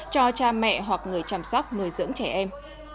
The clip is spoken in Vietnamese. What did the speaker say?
cho cha mẹ hoặc người chăm sóc nuôi dưỡng trẻ em